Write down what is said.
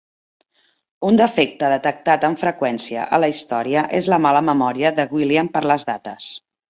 Un defecte detectat amb freqüència a la "Historia" és la mala memòria de William per les dates.